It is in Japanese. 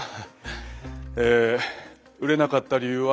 え売れなかった理由は。